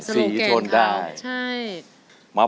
ศโลเกงครับ